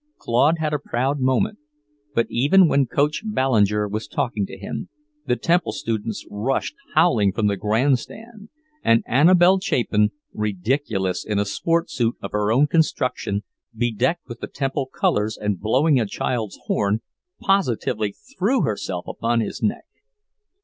Claude had a proud moment, but even while Coach Ballinger was talking to him, the Temple students rushed howling from the grandstand, and Annabelle Chapin, ridiculous in a sport suit of her own construction, bedecked with the Temple colours and blowing a child's horn, positively threw herself upon his neck.